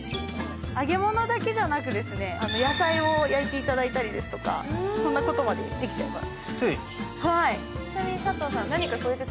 揚げ物だけじゃなく、野菜を焼いていただいたりとかそんなことまでできちゃいます。